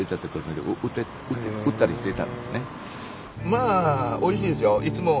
まあおいしいですよ。